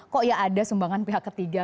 kok ya ada sumbangan pihak ketiga